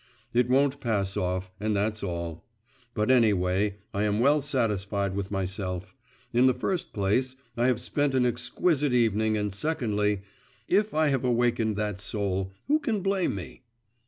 it won't pass off, and that's all. But any way I am well satisfied with myself; in the first place, I have spent an exquisite evening; and secondly, if I have awakened that soul, who can blame me?